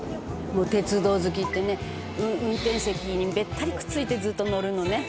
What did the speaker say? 「もう鉄道好きってね運転席にべったりくっついてずっと乗るのね」